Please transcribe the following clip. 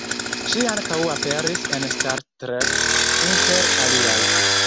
Ŝi ankaŭ aperis en Star Trek, inter aliaj.